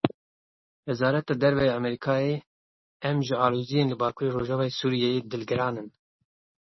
Wezareta Derve ya Amerîkayê, em ji aloziyên li bakurê rojavayê Sûriyeyê dilgiran in.